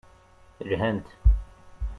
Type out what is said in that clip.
Lhant.